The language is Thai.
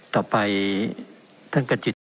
ต่อไปท่านกจิตธรรม